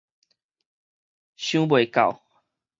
想袂到